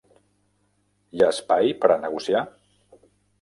Hi ha espai per negociar?